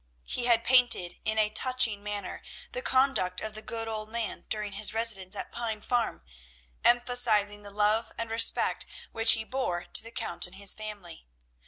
He had painted in a touching manner the conduct of the good old man during his residence at Pine Farm, emphasising the love and respect which he bore to the Count and his family.